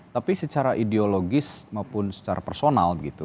tapi secara ideologis maupun secara personal begitu